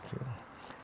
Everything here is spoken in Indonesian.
ini di rumah saya